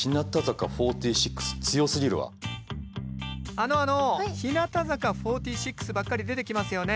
あのあの日向坂４６ばっかり出てきますよね。